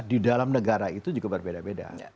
di dalam negara itu juga berbeda beda